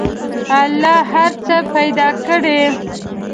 الله هر څه پیدا کړي.